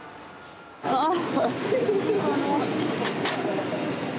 ああ。